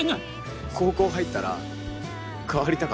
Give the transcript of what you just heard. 高校入ったら変わりたかった。